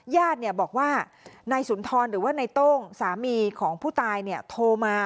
ญาติบอกว่านายสุนทรหรือว่านายโต้งสามีของผู้ตายโทรมา